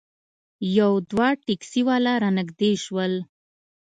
یو دوه ټیکسي والا رانږدې شول.